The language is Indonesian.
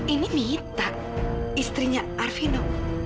ini mita istrinya arvino